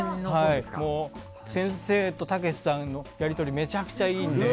先生と、たけしさんのやり取りがめちゃくちゃいいので。